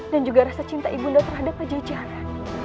dan juga rasa cinta ibu nda terhadap pajajara